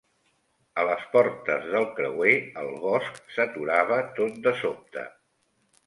A les portes del creuer, el bosc s'aturava tot de sobte.